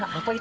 iya apa itu